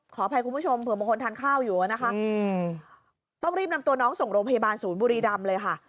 ขออภัยคุณผู้ชมเผื่อบางคนทานข้าวอยู่นะคะต้องรีบนำตัวน้องส่งโรงพยาบาลศูนย์บุรีรำเลยค่ะ